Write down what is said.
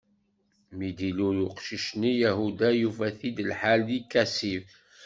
Mi d-ilul uqcic-nni, Yahuda yufa-t-id lḥal di Kazib.